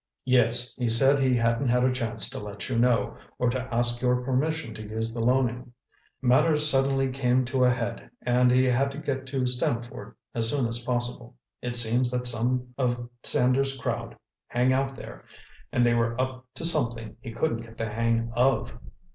"Yes, he said he hadn't had a chance to let you know, or to ask your permission to use the Loening. Matters suddenly came to a head and he had to get to Stamford as soon as possible. It seems that some of Sanders' crowd hang out there and they were up to something he couldn't get the hang of."